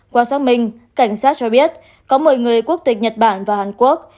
qua xác minh cảnh sát cho biết có một mươi người quốc tịch nhật bản và hàn quốc